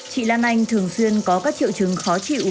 chị lan anh thường xuyên có các triệu chứng khó chịu